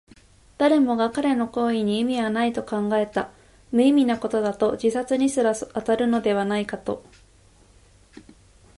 誰もが彼の行為に意味はないと考えた。無意味なことだと、自殺にすら当たるのではないかと。